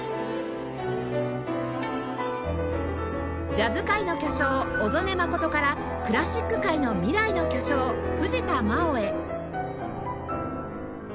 ジャズ界の巨匠小曽根真からクラシック界の未来の巨匠藤田真央へ